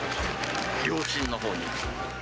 両親のほうに。